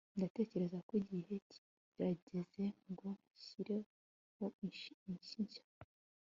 ndatekereza ko igihe kirageze ngo nshyireho inshyi nshya